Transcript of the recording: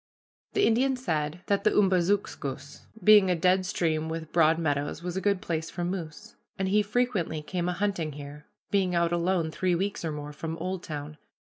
The Indian said that the Umbazookskus, being a dead stream with broad meadows, was a good place for moose, and he frequently came a hunting here, being out alone three weeks or more from Oldtown.